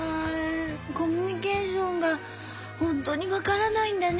コミュニケーションがほんとに分からないんだね。